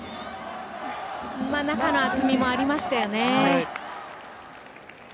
中の厚みもありましたよね。